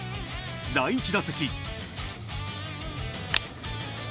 第１打席。